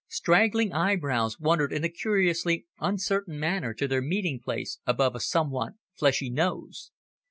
Straggling eyebrows wandered in a curiously uncertain manner to their meeting place above a somewhat fleshy nose.